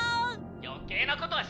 「余計なことはしなくていい！